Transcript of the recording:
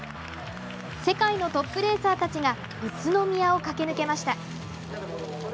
世界のトップレーサーたちが宇都宮を駆け抜けました。